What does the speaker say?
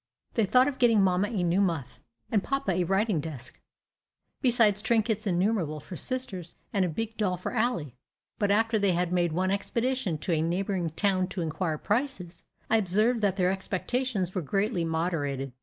They thought of getting mamma a new muff, and papa a writing desk, besides trinkets innumerable for sisters, and a big doll for Ally; but after they had made one expedition to a neighboring town to inquire prices, I observed that their expectations were greatly moderated.